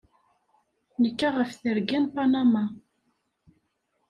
Nekka ɣef Terga n Panama.